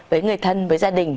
với người thân với gia đình